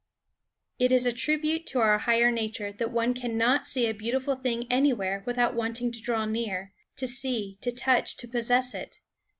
It is a tribute to our higher nature that one can not see a beautiful thing anywhere without wanting to draw near, to see, to touch, to possess it.